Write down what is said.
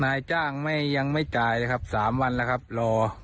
นายจ้างไม่ยังไม่จ่ายเลยครับ๓วันแล้วครับรอ